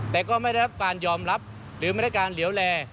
แต่ก็ไม่ได้รับการยอมรับหรือไม่ได้การเหลวแล